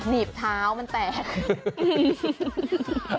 หนีบเท้ามันแตก